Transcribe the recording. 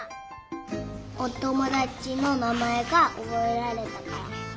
おともだちのなまえがおぼえられたから。